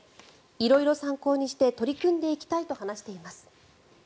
色々参考にして取り組んでいきたいと話しています。